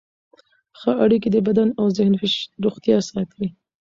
ښه اړیکې د بدن او ذهن روغتیا ساتي.